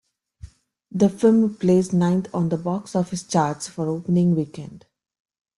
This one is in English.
The film placed ninth on the box office charts for opening weekend.